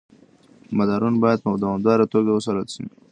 مدارونه باید په دوامداره توګه وڅارل شي.